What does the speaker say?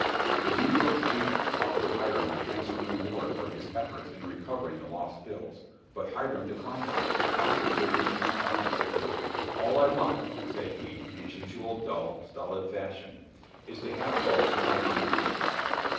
The New York agents offered Hiram a handsome reward for his efforts in recovering the lost bills, but Hiram declined it, positively and finally. "All I want," said he, in his usual dull, stolid fashion, "is to have folks know I'm honest."